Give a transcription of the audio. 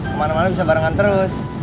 kemana mana bisa barengan terus